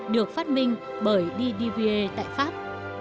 được phát minh bởi ddva tại pháp